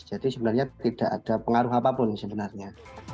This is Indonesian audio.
jadi sebenarnya tidak ada pengaruh apapun sebenarnya